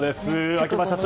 秋葉社長